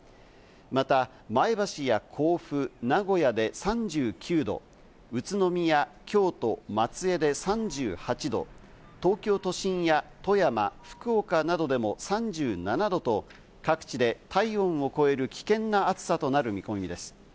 また前橋や甲府、名古屋で３９度、宇都宮、京都、松江で３８度、東京都心や富山、福岡などでも３７度と各地で体温を超える危険な暑さとなる見込みです。